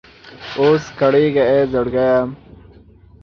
اوس کړېږه اې زړګيه!